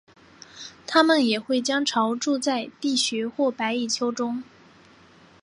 它们也会将巢筑在地穴或白蚁丘中。